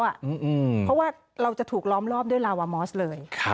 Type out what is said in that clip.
เพราะว่าเราจะถูกล้อมรอบด้วยลาวามอสเลย